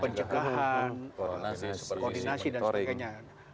pencegahan koordinasi dan sebagainya